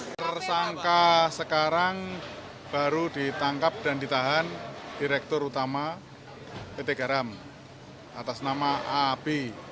tersangka sekarang baru ditangkap dan ditahan direktur utama pt garam atas nama ab